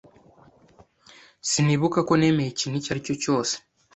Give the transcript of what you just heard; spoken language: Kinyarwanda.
Sinibuka ko nemeye ikintu icyo ari cyo cyose.